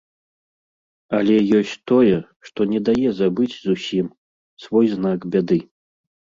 Але ёсць тое, што не дае забыць зусім, свой знак бяды.